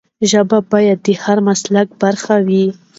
ژبه باید د هر مسلک برخه وي.